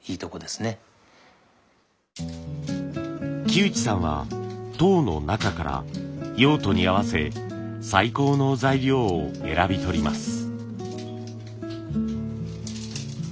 木内さんは籐の中から用途に合わせ最高の材料を選び取ります。